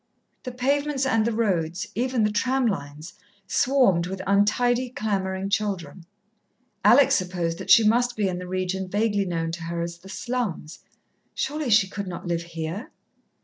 The pavements and the road, even the tram lines, swarmed with untidy, clamouring children. Alex supposed that she must be in the region vaguely known to her as the slums. Surely she could not live here?